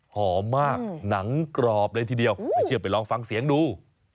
หอมมากหนังกรอบเลยทีเดียวไม่เชื่อไปลองฟังเสียงดู